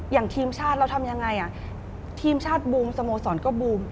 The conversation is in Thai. อย่างทีมชาติเราทำยังไงทีมชาติบูมสโมสรก็บูม